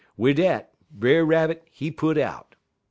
"Wid dat, Brer Rabbit, he put out.